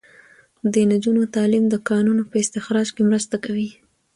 د نجونو تعلیم د کانونو په استخراج کې مرسته کوي.